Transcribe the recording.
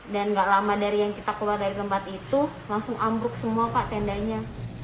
dan nggak lama dari yang kita keluar dari tempat itu langsung ambruk semua pak tendanya